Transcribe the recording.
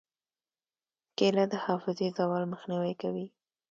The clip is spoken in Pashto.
کېله د حافظې زوال مخنیوی کوي.